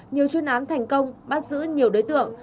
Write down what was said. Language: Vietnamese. nhiều chuyên án thành công bắt giữ nhiều đối tượng